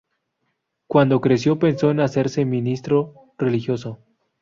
Cuando creció, pensó en hacerse ministro religioso.